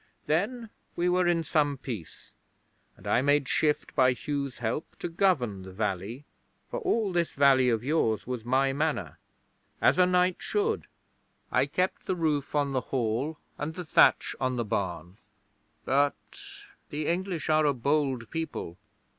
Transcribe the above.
Then we were in some peace, and I made shift by Hugh's help to govern the valley for all this valley of yours was my Manor as a knight should. I kept the roof on the hall and the thatch on the barn, but ... the English are a bold people.